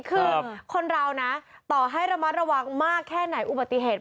คือคนเรานะต่อให้ระมัดระวังมากแค่ไหนอุบัติเหตุ